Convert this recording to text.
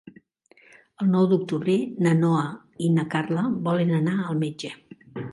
El nou d'octubre na Noa i na Carla volen anar al metge.